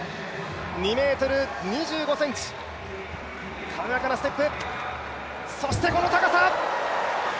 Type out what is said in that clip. ２ｍ２５ｃｍ、軽やかなステップ、そしてこの高さ。